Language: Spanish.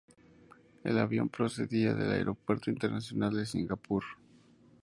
El avión procedía del Aeropuerto Internacional de Singapur.